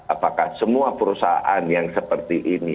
apakah semua perusahaan yang seperti ini